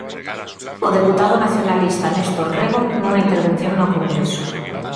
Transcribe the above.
O deputado nacionalista Néstor Rego nunha intervención no Congreso.